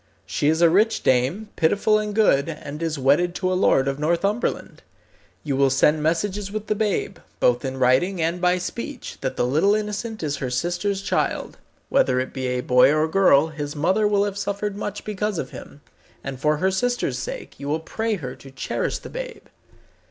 She is a rich dame, pitiful and good, and is wedded to a lord of Northumberland. You will send messages with the babe both in writing and by speech that the little innocent is her sister's child. Whether it be a boy or girl his mother will have suffered much because of him, and for her sister's sake you will pray her to cherish the babe.